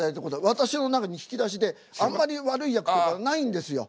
私の中の引き出しであんまり悪い役とかないんですよ。